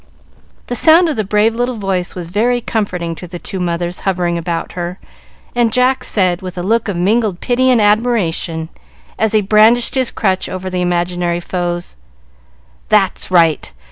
The sound of the brave little voice was very comforting to the two mothers hovering about her, and Jack said, with a look of mingled pity and admiration, as he brandished his crutch over the imaginary foes, "That's right!